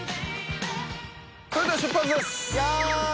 それでは出発ですヤー！